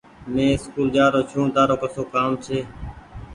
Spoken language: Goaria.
مينٚ اسڪول جآرو ڇوٚنٚ تآرو ڪسو ڪآم ڇي